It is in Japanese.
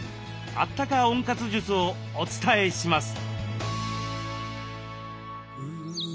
あったか温活術をお伝えします。